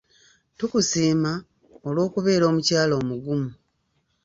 Tukusiima olw'okubeera omukyala omugumu.